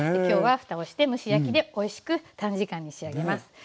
今日はふたをして蒸し焼きでおいしく短時間に仕上げます。